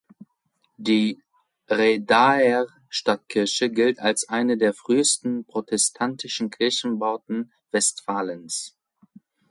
Die Rhedaer Stadtkirche gilt als eine der frühesten protestantischen Kirchenbauten Westfalens.